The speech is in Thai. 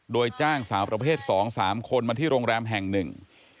โดยจ้างสาวประเภทสองสามคนมาที่โรงแรมแห่งหนึ่ง